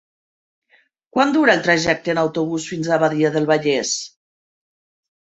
Quant dura el trajecte en autobús fins a Badia del Vallès?